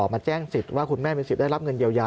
มาแจ้งสิทธิ์ว่าคุณแม่มีสิทธิ์ได้รับเงินเยียวยา